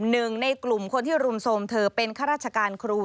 หนึ่งในกลุ่มคนที่รุมโทรมเธอเป็นข้าราชการครู